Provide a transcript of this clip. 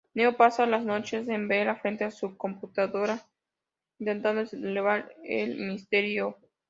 Neo pasa las noches en vela frente a su computador intentado desvelar el misterio.